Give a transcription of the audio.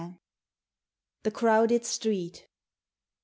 THE CROWDED STREET.